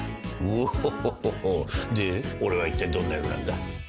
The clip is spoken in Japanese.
オホホホで俺はいったいどんな役なんだ？